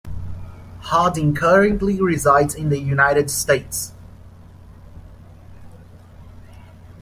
Hardin currently resides in the United States.